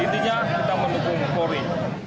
intinya kita mendukung polri